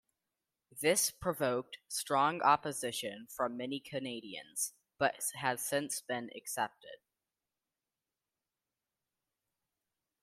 This provoked strong opposition from many Canadians, but has since been accepted.